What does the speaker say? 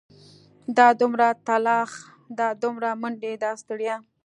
دا دومره تلاښ دا دومره منډې دا ستړيا.